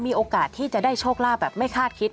มีโอกาสที่จะได้โชคลาภแบบไม่คาดคิด